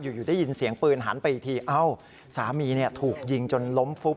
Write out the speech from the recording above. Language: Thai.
อยู่ได้ยินเสียงปืนหันไปอีกทีเอ้าสามีถูกยิงจนล้มฟุบ